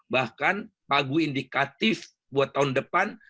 bahkan pagu indikatif buat tahun depan